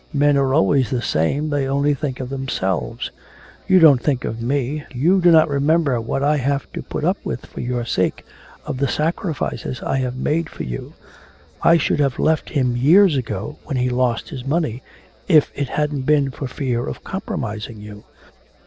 Men are always the same, they only think of themselves. You don't think of me, you do not remember what I have put up with for your sake, of the sacrifices I have made for you. I should have left him years ago when he lost his money if it hadn't been for fear of compromising you.'